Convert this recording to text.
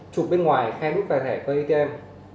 chụp bên ngoài khe nút vài thẻ của atm